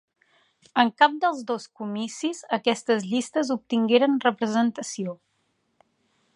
En cap dels dos comicis aquestes llistes obtingueren representació.